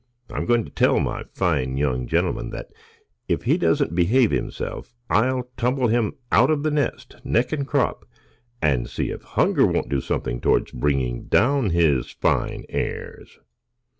I'm going to tell my fine young gentleman that, if he doesn't behave himself, I'll tumble him out of the nest, neck and crop, and see if hunger won't do something towards bringing down his fine airs."